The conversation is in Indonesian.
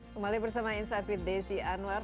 kembali bersama insight with desi anwar